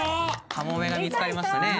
「カモメ」が見つかりましたね。